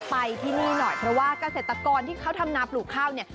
ไปที่นี่หน่อยเพราะว่าเกษตรกรที่เขาทำนาปลูกข้าวเนี่ย